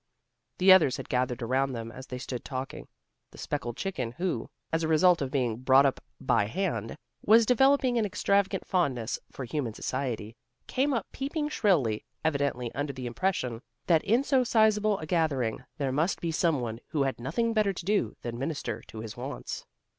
The others had gathered around them as they stood talking. The speckled chicken, who, as a result of being brought up "by hand," was developing an extravagant fondness for human society, came up peeping shrilly, evidently under the impression that in so sizable a gathering, there must be some one who had nothing better to do than minister to his wants.